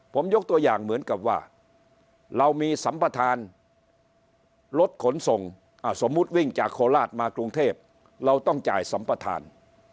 ผมยกตัวอย่างเหมือนกับว่าเรามีสัมประธานรถขนส่งสมมุติวิ่งจากโคราชมากรุงเทพเราต้องจ่ายสัมปทาน